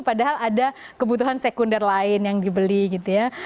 padahal ada kebutuhan sekunder lain yang dibeli gitu ya